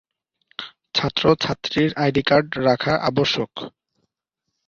ছাত্র-ছাত্রীর ID card রাখা আবশ্যক।